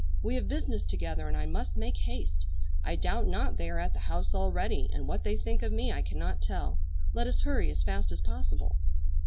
We have business together, and I must make haste. I doubt not they are at the house already, and what they think of me I cannot tell; let us hurry as fast as possible."